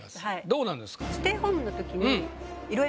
どうなんですか？